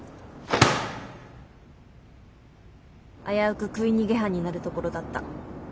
危うく食い逃げ犯になるところだった。